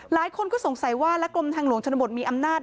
หลายคนก็สงสัยว่าและกรมทางหลวงชนบทมีอำนาจ